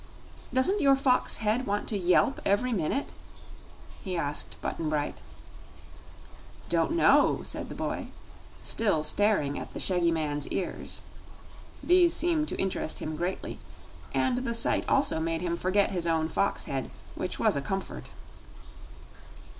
"Doesn't your fox head want to yelp every minute?" he asked Button Bright. "Don't know," said the boy, still staring at the shaggy man's ears. These seemed to interest him greatly, and the sight also made him forget his own fox head, which was a comfort.